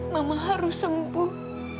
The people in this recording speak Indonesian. mama harus sembuh